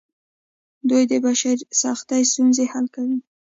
دوی د بشر سختې ستونزې حل کوي.